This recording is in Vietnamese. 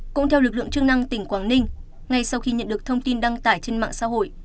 cũng theo lực lượng chức năng tỉnh quảng ninh ngay sau khi nhận được thông tin đăng tải trên mạng xã hội